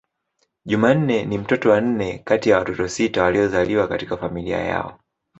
Jumanne ni mtoto wa nne kati ya watoto sita waliozaliwa katika familia yao.